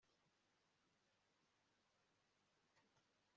yaguze isambu agamije kubaka inzu ye